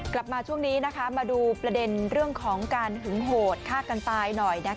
กลับมาช่วงนี้มาดูประเด็นเรื่องของการหึงโหดฆ่ากันตายหน่อย